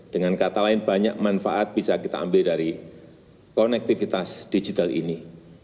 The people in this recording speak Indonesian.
dengan kata lain banyak manfaat bisa kita ambil dari konektivitas digital ini